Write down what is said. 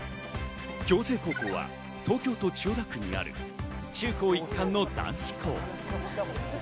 暁星高校は東京都千代田区にある中・高一貫の男子校。